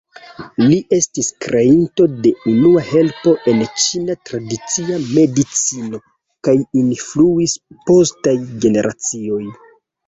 Li ests kreinto de unua helpo en Ĉina tradicia medicino kaj influis postaj generacioj.